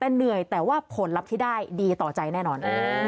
แต่เหนื่อยแต่ว่าผลลัพธ์ที่ได้ดีต่อใจแน่นอน